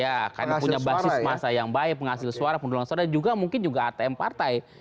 ya karena punya basis masa yang baik penghasil suara pendulang suara dan juga mungkin juga atm partai